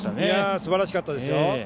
すばらしかったです。